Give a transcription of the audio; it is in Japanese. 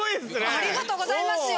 ありがとうございますよ！